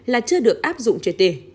là chưa được áp dụng trời tề